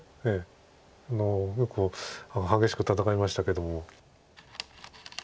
結構激しく戦いましたけども。